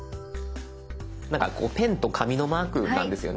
なんかこうペンと紙のマークなんですよね。